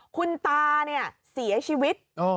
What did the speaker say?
คุณตาเนี่ยเสียชีวิต